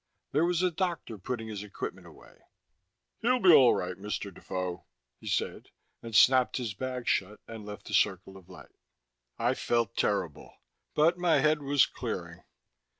There was a doctor putting his equipment away. "He'll be all right, Mr. Defoe," he said, and snapped his bag shut and left the circle of light. I felt terrible, but my head was clearing.